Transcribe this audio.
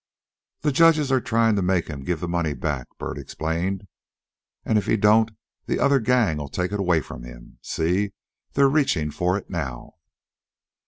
"The judges are tryin' to make him give the money back," Bert explained. "An' if he don't the other gang'll take it away from him. See! They're reachin' for it now."